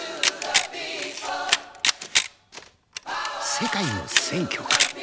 世界の選挙から。